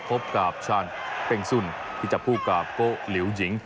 พบกับชาญเป้งสุนที่จับคู่กับโกะหลิวหญิง